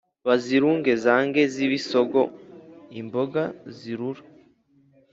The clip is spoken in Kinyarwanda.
Bazirunge zange zibe isogo imboga zirura.